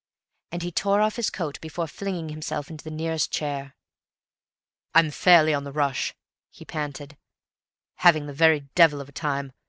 And he tore off his coat before flinging himself into the nearest chair. "I'm fairly on the rush," he panted; "having the very devil of a time!